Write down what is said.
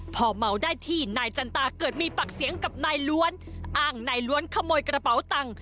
พอเมาได้ที่นายจันตาเกิดมีปากเสียงกับนายล้วนอ้างนายล้วนขโมยกระเป๋าตังค์